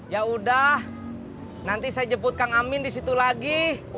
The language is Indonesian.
yaudah nanti saya jemput kang amin di situ lagi